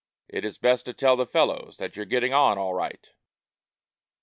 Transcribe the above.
It is best to tell the fellows that you're getting on all right.